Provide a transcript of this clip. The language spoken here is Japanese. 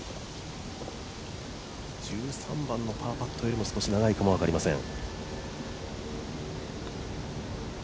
１３番のパーパットより少し長いかも分かりません。